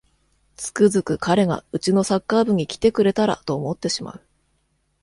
つくづく彼がうちのサッカー部に来てくれたらと思ってしまう